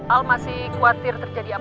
al masih khawatir terjadi apa